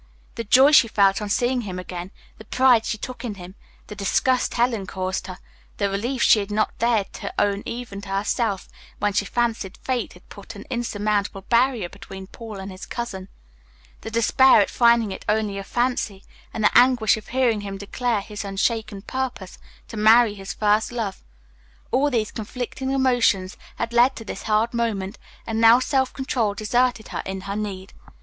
The joy she felt on seeing him again, the pride she took in him, the disgust Helen caused her, the relief she had not dared to own even to herself, when she fancied fate had put an insurmountable barrier between Paul and his cousin, the despair at finding it only a fancy, and the anguish of hearing him declare his unshaken purpose to marry his first love all these conflicting emotions had led to this hard moment, and now self control deserted her in her need.